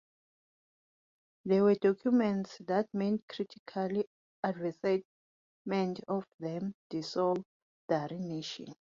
They were documents that made critical advancements of a then disorderly nation.